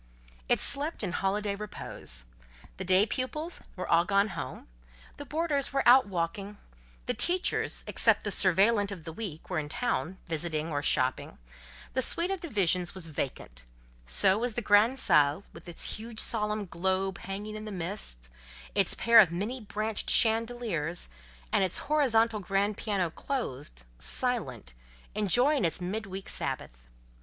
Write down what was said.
It slept in holiday repose. The day pupils were all gone home, the boarders were out walking, the teachers, except the surveillante of the week, were in town, visiting or shopping; the suite of divisions was vacant; so was the grande salle, with its huge solemn globe hanging in the midst, its pair of many branched chandeliers, and its horizontal grand piano closed, silent, enjoying its mid week Sabbath.